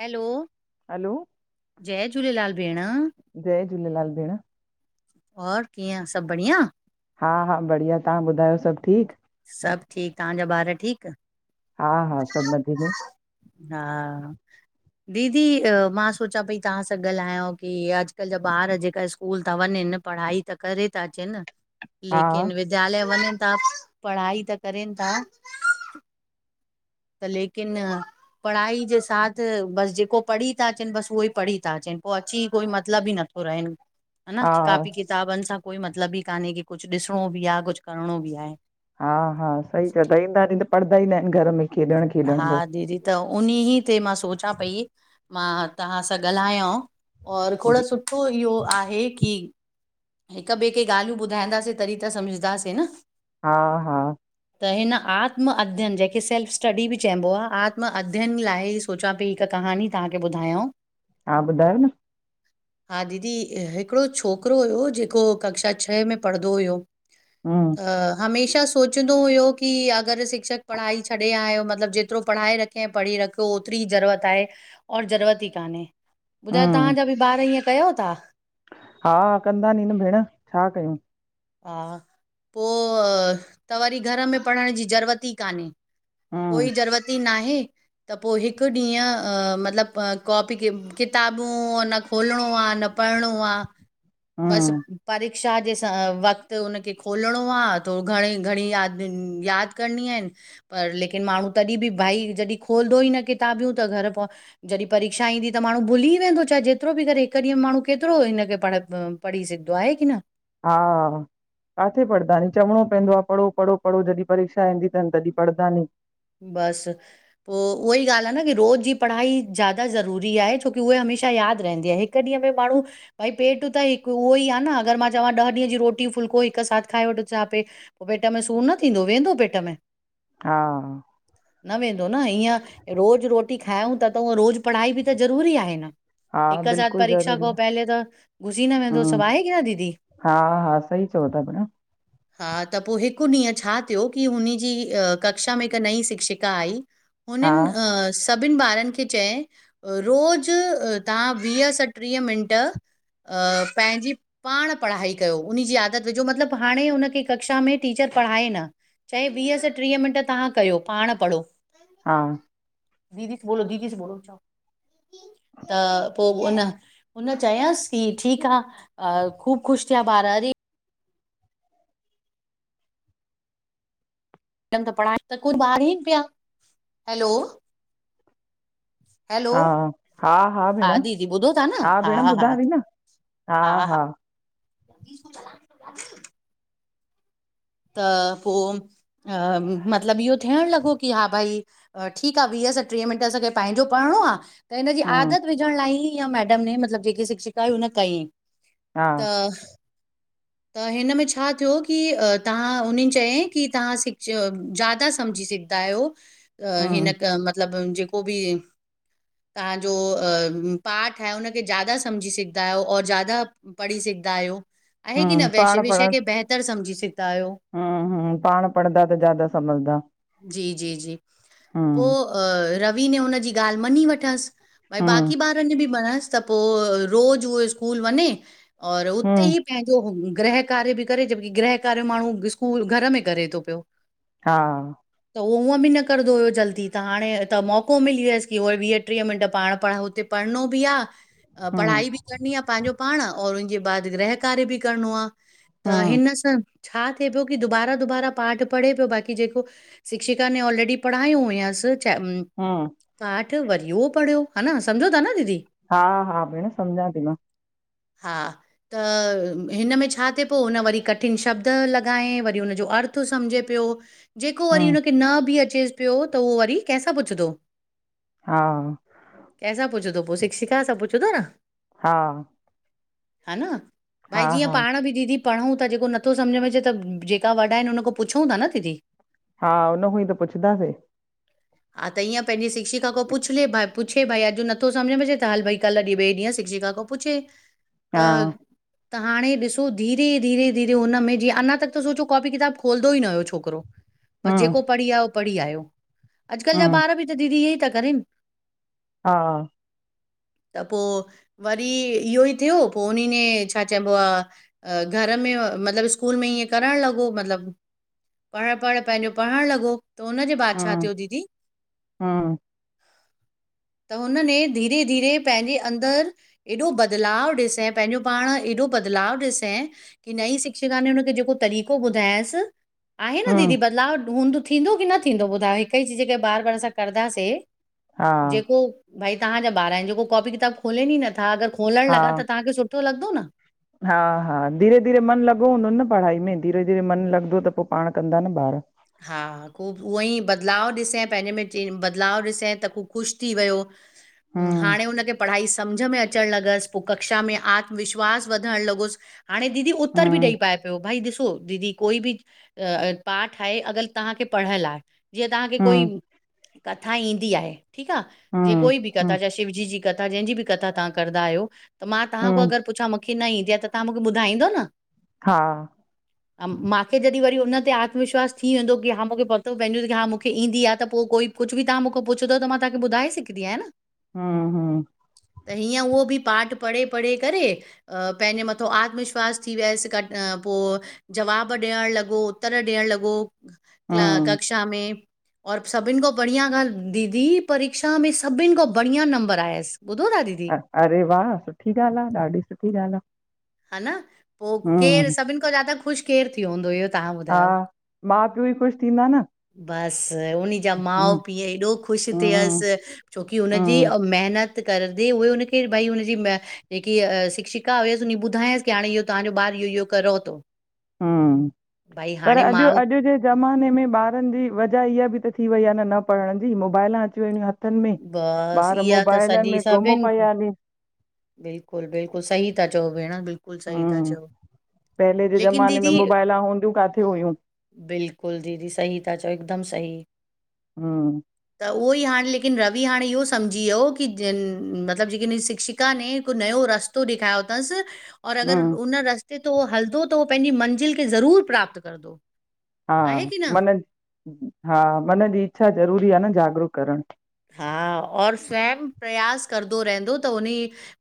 Hello hello, जय झूलेलाल भेण जय झूलेलाल भेण ॿियो कीअ सभु बढ़िया हा हा बढ़िया तव्हां ॿुधायो सभु ठीक सभु ठीकु तव्हांजा ॿार ठीकु हा हा सभु मज़े में हा दीदी मां सोचां पई तव्हां सां ॻालहायंव की अॼु कल्ह जा ॿार जेका स्कूल ता वनिन पढ़ाई त करे अचनि था, हा पर विद्यालय वञनि था पढ़ाई त करिन था त लेकिन पढ़ाई जे साथ बस जेको पढ़ी था अचिन बस उहोई पढ़ी था अचिन पो अची कोई मतिलबु ई नथो रहिन ह न हा कापी किताबनि सां कोई मतिलबु ई कान्हे की कुझु ॾिसणो बि आहे कुझु करिणो बि आहे हा हा सही चंईंदा आहिनि त पढ़ंदा ई ना आहिनि घर में खेॾण खेॾण हा बसि दीदी त उनही ते मां सोच पई मां तव्हां सां ॻाल्हायांव और खोड जी सुठो इहो आहे की हिक ॿिए खे ॻाल्हियूं ॿुधाईंदासीं तॾहिं त सम्झंदासीं न हा हा त हिन आत्म अध्ययन जेकखे सेल्फ स्टडी बि चइबो आहे आत्म अध्ययन लाइ सोचां पई हिकु क। हाणी तव्हांखे ॿुधायो। हा ॿुधायो न? हा दीदी हिकिड़ो छोकिरो हुयो जेको कक्षा छह में पढ़ंदो हुयो। हम्म त हमेशा। सोचंदो हुयो की अगरि शिक्षक पढ़ाई छॾे आयो मतलबु जेतिरो पढ़ाए रखे ऐं पढ़ी रखियो। ओतिरी ज़रूरत आहे और ज़रूरत ई कान्हे ॿुधायो, हम्म तव्हां जा बि ॿार हअं कयो था? हा कंदा नी न भेण छा कयूं। हा पोइ त वरी घर में पढ़ण जी ज़रूरत ई कान्हे। हम्म कोई ज़रूरत ई नाहे। त पोइ हिकु ॾींहुं मतलबु कॉपी किताबूं न खोलणो आहे न। पढणो आहे बस हम्म परीक्षा जे। वक़्तु उनखे खोलणो आहे थो घणे घणी याद यादि करणी है, पर लेकिन। माण्हू तॾहिं बि भाई जॾहिं खोलंदो ई न किताबियूं, त घर पो जॾहिं परीक्षा ईंदी त माण्हू भुली वें वेंदो चाहे जेतिरो बि करे हिकु ॾींहुं माण्हू केतिरो हिनखे पढ पढ़ी सघंदो आहे की न। हा। काथे पढ़दा नी चवणो पवंदो आहे पढ़ो पढ़ो पढ़ो जॾहिं परीक्षा ईंदी अथनि तॾहिं पढ़दा नी। बस पोइ उहा ई ॻाल्हि आहे न की रोज़ जी पढ़ाई ज्यादा ज़रूरी आहे छोकी उहे हमेश। हमेशह यादि रहंदी आहे हिकु ॾींहं में माण्हू भई, पेट त हिकु उहो ई आहे, न अगरि मां चवां डह डींह जी रोटी। फुल्को हिकु साथ खाई वठो छाा पे पेट में सूर न थींदो वेंदो पेट में? हा। न वेंदो न ईअं रोज़ु रोटी खायूं था त उअ रोज़ु पढ़ाई बि त ज़रूरी आहे न। हा हिकु साथ बिल्कुलु परीक्षा ज़रूरी को आहे पहले त घुसी न वेंदो सभु आ आहे की न दीदी? हा-हा सई चओ था भेण। हा त पोइ हिकु ॾींहुं छा थियो की हुनजी कक्षा में हिकु नई शिक्षिका आई। हा हुनिन अ। सभिननि ॿारनि खे चयाईं, रोज़ तव्हां वीह सटीह मिंट। पंहिंजी पाण पढ़ाई कयो उन जी आदत विझो मतिलबु हाणे हुनखे कक्षा में टीचर। पढ़ाए न चए वीह स ट्रेह मिंट तव्हां कयो पाण पढ़ो। हा दीदश बो [unintelligible] त पोइ उन उन च्यास की ठीकु आहे, ख़ू ख़ुशि। या बार [unintelligible] मैम त पढ़ाइण [unintelligible] ईन पिया हैलो हा हैलो हा हा भेण दीदी ॿुधो था न हा भेण ॿुधां थी न। हा हा। बी [unintelligible] त पोइ मतिलबु इहो थियण लॻो की हा भई ठीकु आहे वीह। असां टीह मिंट असांखे पंहिंजो पढ़णो आहे। त हिन जी हम्म आदत विझण लाइ ई इहा मैडम न मतिलबु जेकी शिक्षिका आहे उन कईं। हा त-त हिन में छा थियो की। तव्हां उन्हनि चयो त तव्हां वधीक समझी सघंदा आहियो। हिन हम्म मतिलब जेको बि। तव्हांजो पाठ आहे हुनखे वधीक समझी सघंदा आहियो ऐ वधीक पढ़ी सघंदा आहियो। हिन हम्म विषय खे बेहतर समझी सघंदा आहियो हम् पाण पढ़ंदा त वधीक समझंदा। जी जी जी पोइ रवि हुन जी ॻाल्हि मञी वरती। भई हम्म बाक़ी ॿारनि खे बि वणे त पोइ रोज़ उहो स्कूल वञे। ऐं उते हम्म ई पंहिंजो ग्रह कार्य बि कनि जडिंह ग्रह। करे माण्हू स्कूल घर में करे थो पियो। हा। त उहो बि न कंदो हो जल्दी हाणे त मौक़ो मिली वियसि त वरी वीह टीह मिंट पाण पढ़े हम्म पढ़ाई बि करणी आहे पंहिंजो पाण ऐं पोई ग्रह कार्य बि करिणो आहे त हम्म हिन सां छा थी पियो त बार बार पाठ पढ़े पियो बाक़ी जेको मास्तर ऑलरेडी पढ़ायो हुयसि। हम्म वरी उहो पढ़ियो हा न सम्झो था न दीदी हा हा भेण सम्झां थी मां हा त हिन में छा थिए हुन वरी कठिन शब्द हुनजो अर्थ समझे पियो जेको हम्म हुन खे वरी बि अचे पियो पियो त उहो वरी कंहिंखां पुछंदो हा कंहिंखां पुछंदो पोइ शिक्षिका पुछंधो न हा हा न हा भाई जीअं हा पाण बि दीदी पढ़ूं त जेको न नथो समझ में अचे त जेके वॾा आहिनि उन खां पुछूं था न दीदी हा हुन खां ई त पुछंदासीं हा त ईअं पंहिंजी मास्तर खां पुछी बि अॼु नथो समझ में अचे त हल भई ॾीं ॿए ॾींहुं शिक्षिका खां पुछे त हा त हाणे ॾिसो धीरे धीरे धीरे अञा त कॉपी किताब खोलींदो ई न हो छाकाण बस हम्म जेको पढ़ी आहियो। पढ़ी आहियो अॼुकल्ह जा हम्म ॿार बि त दीदी इहे ई था कनि हा त पोइ वरी इहो ई थियो पोइ उन ने छा चइबो आहे घर में मतलबु स्कूल में ईीअं करणु लॻो मतलबु पढ़णु पंहिंजो पढ़णु लॻो त हुन खां पोइ छा हम्म थियो हम्म त हुने धीरे धीरे पंहिंजे अंदर एॾो बदलाव ॾिसे ऐं पंहिंजो पाण एॾो बदलाव ॾिसे त नई जेको तरीक़ो ॿुधायसि आहे न हम्म दीदी बदलाव हूंदो थींदो न ॿुधायो हिकु ई शए खे बार बार असां कंदासीं हा जेको भई तव्हांजा ॿार आहिनि जेको कॉपी किताब खोलनि ई नथा अगरि खोलण हा लॻा त तव्हांखे सुठो लॻंदो न हा हा धीरे धीरे मन लॻो हूंदो न पढ़ाई में धीरे धीरे मन लॻंदो त पोइ पाण कंदा न ॿार हा हूअ बदिलाव ॾिसी करे पंहिंजे में ख़ुश थी वियो हम्म हाणे हुनखे पढ़ाईस समझ में अचण लॻसि पोइ कक्षा में आत्मविश्वास वधणु लॻुसि हाणे दीदी उत्तर बि हम्म ॾेई पाए पयो। भई ॾिसो दीदी कोई बि पाठ ठहे अगर तव्हांखे पढ़ढ लाय। जीअं तव्हांखे कोई हम्म कथा ईंदी आहे। ठीक आह जिंअ हम्म कोई बि कथा हम्म चाहे शिवजी जी कथा जंहिंजी बि कथा तव्हां करदा आहयो। त मां तव्हां खां हम्म अगरि पुछां मूंखे न ईंदी आहे त तव्हां मूंखे ॿुधाईंदोव न हा मूंखे जॾहिं वरी हुन ते आ विश्वास थीे वेंदो की हा मूंखे पतो पवनदो की हा मूंखे ईंदी आ। त पोइ कोई कुछ बि तव्हां मूंखो पुछदवत मां तव्हां ॿुधा ॿुधाये सिघदी आहे न। हम्म हम्म त हीअं उहो बि पाठ पढ़े पढ़े करे पंहिंजे मथो आत्मविश्वास थी वियसि क पो जवाब ॾियण लॻो उत्तर ॾियण लॻो हम्म कक्षा में और सभिन खां बढ़िया ॻाल्ह दीदी परीक्षा में सभिन खां बढ़िया नंबर आयस। अरे वाह सुठी ॻाल्ह आह ॾाढी सुठी ॻाल्ह आह। हा न पो केर सभिन खां ज्यादा ख़ुश केर थीयो हूंदो [unintelligible] हा मा पीउ ही ख़ुश थींदा न। बस उनिजा माउ हम्म पीउ एॾो ख़ुश थियस हम्म छोकी हुनजी हम्म मेहनत करंदी हुई हुनखे भई हुनजी जेकी शिक्षिका हुयस। की ॿुधाएसकी हाणे तव्हांजो ॿारह इयो -इयो करेव तो। हूं, पर अॼ माउ अॼु जे ज़माने में ॿारन जी वजह इहा बि त थी वई आह न पढ़ण जी, मोबाइल अची वियूं हथ बसि इहा त सॼी गुम सभिनि खां पिया हली बिल्कुलु बिल्कुलु सही था चओ भेण बिल्कुलु सही था हम्म चओ। पहले जे लेकिन ज़माने में दीदी, मोबाइला हूंदियूं काथे हुयूं बिल्कुलु दीदी सी था चओ हिकदम। सही। हा। हो हाल ले लेकिन रवि हाणे इहो सम्झी वियो की जन मतिलबु जेकी शिक्षिका ने हिकु नयो रस्तो ॾेखायो दस और अगरि हम्म उन रस्ते ते उह हलदो त उहो पंहिंजी मंज़िल खे ज़रूर प्राप्त कंदो। हा आहे की न मन हा मन जी इच्छा ज़रूरी आ न जागरूक करण हा और स्वयं प्रयास करदो रहंदो त उन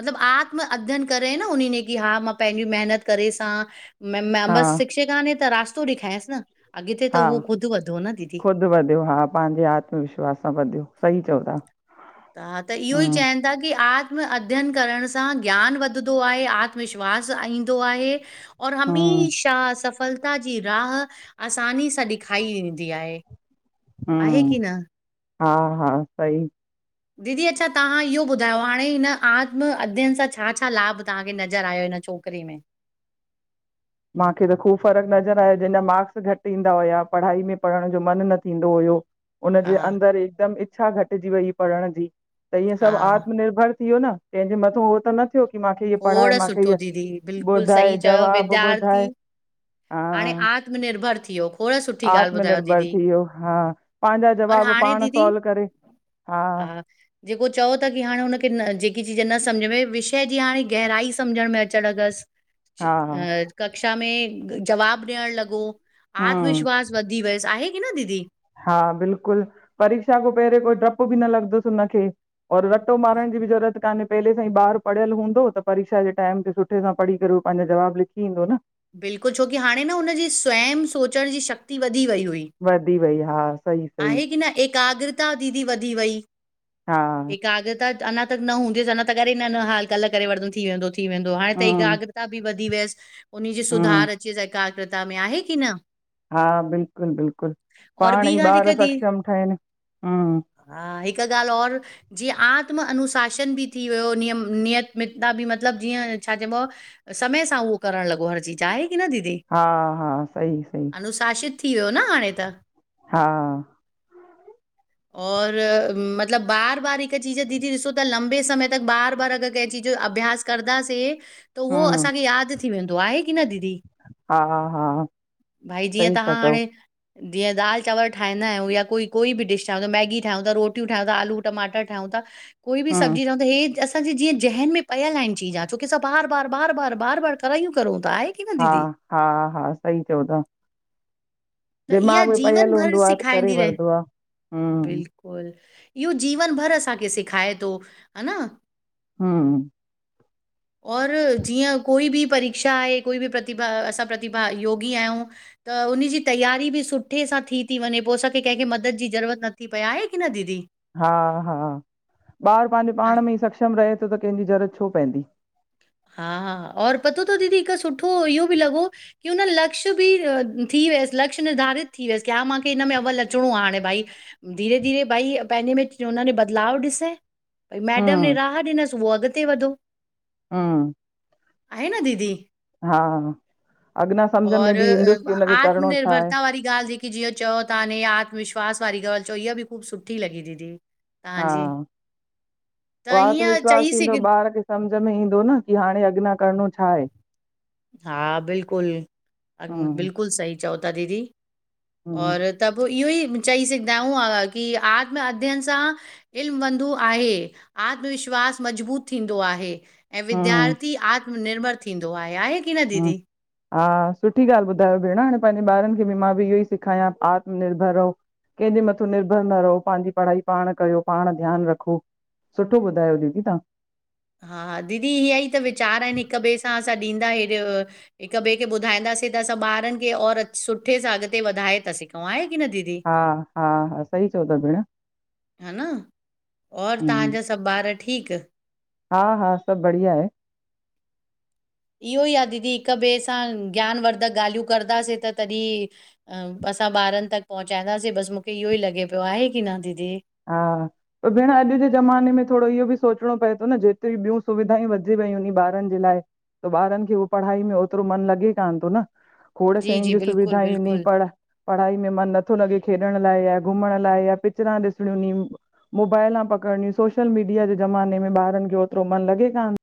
मतिलब आत्म अध्यन कर करे न उन की हा मां पंहिंजी महिनत करे सां मेम हा बसि शिक्षका ने त रास्तो ॾेखियांसि न। अॻिते त हा उहो ख़ुदि वधो न दीदी ख़ुदि वधियो हा पंहिंजे आत्मविश्वास सां वधियो। सही चओ ता। हा त इहो ई चवनि था की आ आत्म अध्ययन करण सां ज्ञान वधदो आहे आत्मविश्वास ईंदो आहे। और हम्म हमेशह सफलता जी राह आसानी सां ॾेखायी वेंदी आए। आहे हम्म की न? हा हा सई। दीदी अच्छा तां इहो ॿुधायो हाणे हिन आत्म अध्ययन सां छा, छा लाभ तव्हांखे नज़र आयो हिन। त छोकरी में मांखे त ख़ूब फ़र्क़ु नज़र आयो जंहिंजा मार्क्स घटि ईंदा हुया पढ़ाई में पढ़ण जो मन न थींदो हुयो। हुनजे हा अंदरि हिकदमि इच्छा घटिजी वई पढ़ण जी त ईंअ सभु हा आत्मनिर्भर थियो न कें जे मथे हो त न की माखे इअ पढ़ाए खोड़ माखे सुठो इ दीदी बिल्कुलु ॿुधाए सही चयो जवाब ॿु विद्यार्थी हाणे आतमनिर्भर थी वियो खो आत्मनिर्भर थी वियो हा पंहिंजा और जवाब हाणे पाण दीदी सॉल्व करे। हा जेको चओ था की हाणे हुनखे न जेकी चीज न सम्झ में, विषय जी हाणे गहराई सम्झण में अचणु अॻसि हा कक्षा में जवाबु ॾियण लॻो, हम्म आत्मविश्वास वधी वियसि, आहे की न दीदी। हा बिल्कुलु परीक्षा खां पहिरियों कोई डपु बि न लॻंदसि हुनखे। और रट्टो मारण जी बि ज़रूरत कान्हे। पहिले सां ई ॿारु पढ़ियल हूंदो त परीक्षा जे टाइम ते सुठे सां पढ़ी करे उह पंहिंजो जवाबु लिखी ईंदो न। बिल्कुलु छोकी हाणे न हुनजी स्वयं सोचण जी शक्ति वध वधी वई आ। आहे की न एकाग्रता दीदी वधी वई हा एकाग्रता अञा त न हूंदीसि अञा त करे हाल कल्ह करे वठदम थी वेंदो थी वेंदो हाणे हम्म एकाग्रता बि व थी वियस। उनजी हम्म सुधार अचेस एकाग्रता में आहे की न? हा बिल्कुलु बिल्कुलु और पाण ॿी ई ॻाल्हि ॿार हिकु दी सक्षम ठहिनि। हा हिकु ॻाल्हि और जीअं आत्म अनुश सिंधी थी वियो नियत मतिलब जीअं छा चइबो समय सां उहो करण लॻ उह चीज आहे की न दीदी? हा हा सही सही अनुशासित थी वियो न हाणे त। हा [inaudible] औ मतिलब बार बार हिकु चीज़ दीदी ॾिसो त लंबे समय तक बार बार अगर क चीज अभ्यास करदासीं त उहो हम्म, असांखे यादि थी वेंदो आहे की न दीदी? हा, हा, भाई जीअं सही था तव्हां चओ। हाणे जीअं दाल चांवर ठाहींदा आहियूं या कोई बि कोई बि डिश ठाहियूं था मैगी ठाहियूं था रोटियूं ठाहियूं था आलू टमाटर ठायूं था। कोई बि हम्म, सगी न त हे थयस। असांजी जीअं ज़हन में पयल आहिन चीज़ा छोकी असां बार बार -बार बार -बार -बार करायूं करूं था आहे की न हा दीदी -हा हा सही चओ ता। त इहा जीवन भर करे सिखायंदी रहे। वठदो आ। हम्म, बिल्कुल इयो जीवन भर असांखे सिखाए तो हन। हूं [inaudible] और जीअं कोई बि परीक्षा आहे कोई बि प्रतिभा असां प्रतिभा योगी आहियूं त। उनजी तैयारी बि सुठे सां थी थी वञे। पोइ असांखे कंहिंखे मदद जी ज़रूरत नथी पए आहे की न दीदी। हा -हा ॿार पंहिंजे ऐं- पाण में ई सक्षम रहे त कंहिंजी ज़रूरत छो पहेंदी। हा और पतो तव दीदी हिकु सुठो इहो बि लॻो की हुन लक्ष्य बि थी वियस लक्ष्य निर्धारित थी वियसि। की हां मांगे हिन में अव्वल अचणो आहे हाणे भाई धीरे धीरे भाई पंहिंजे में जो उन में बदलाव ॾिसे। मैडम ने हम्म, राह ॾिनस उहो अॻते वधो। हा आहे न दीदी। हा अग्न और आत्मनिर्भरता वारी ॻाल्ह जेकी जिंय चओ था। न आत्मविश्वास वारी ॻाल्ह। चोइया बि ख़ूब सुठी लगे दीदी हा तव्हांजी त ईअं आत्मविश्वास चई सघ थींदो ॿार खे सम्झ समझ में ईंदो न की हाणे अगना करणो छा आहे? हा बिल्कुल हम्म, बिल्कुल सही चओ ता दीदी। हम्म, और त पोइ इहो ई, चई सघंदा आहियूं की आत्म अध्ययन सां इल्म वधंधू आहे आत्मविश्ववास विश्वास मजबूत थींदो आहे। ऐं हम्म, विद्यार्थी आत्मनिर्भर थींदो आहे। आहे की न हम्म। दीदी? हा सुठी ॻाल्ह ॿुधायव भेंण हाणे पंहिंजे ॿारन खे मां बि इहो ही सेखायां की आत्मनिर्भर रहो। केंहजे मथां निर्भर न रहो। पंहिंजी पढ़ाई पाण कयो। पाण ध्यान रखो। सुठो ॿुधायो दीदी तव्हां। हा दीदी इयही त विचार आहिन हिक ॿेए सां असां ॾींदा आहि ब्यो हिक ॿे खे ॿुधाईंदासे त असां ॿारन खे और सुठे सां अगते वधाए था सघूं आहे की न दीदी हा -हा हा सही चओ त भेण। हा न और हम्म तव्हांजा सब ॿार ठीक? हा -हा सब बढ़िया आहे। इहो ई आहे दीदी हिक ॿिए सां ज्ञानवर्धक ॻाल्हियूं कंदासीं त तॾहिं अ असां ॿारन तक पहुंचाईंदासीं बसमूंखे इहो ही लॻे पियो आहे की न दीदी? हा त भेण अॼु जे ज़माने में थोरो इहो बि सोचणो पए थो न जेतिरी ॿियूं सुविधाऊं वधी वयूं आहिनी ॿारनि जे लाइ। त ॿारनि खे उो पढ़ाई में ओतिरो मन लॻे कान थो न खोड़ जी शयुनि जी जीू बिल्कुलु सुविधायूं न बिल्कुलु पढ़ पढ़ाई में मन नथो लॻे खे एण लाइ घुमण लाइ आए पिचरां ॾिस नी मोबाइलां पकड़णियूं सोशल मीडिया जे ज़माने में ॿारनि खे ओतिरो मन लॻे कान।